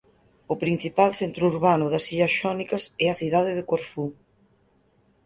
O principal centro urbano das Illas Xónicas é a cidade de Corfú.